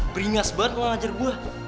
beringas banget mau ngajar gue